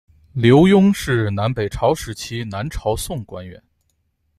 刘邕是南北朝时期南朝宋官员。